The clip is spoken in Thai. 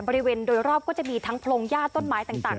บริเวณโดยรอบก็จะมีทั้งโพรงญาติต้นไม้ต่าง